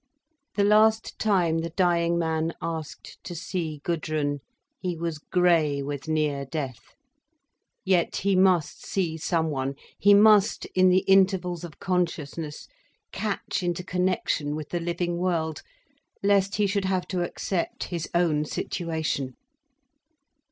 The last time the dying man asked to see Gudrun he was grey with near death. Yet he must see someone, he must, in the intervals of consciousness, catch into connection with the living world, lest he should have to accept his own situation.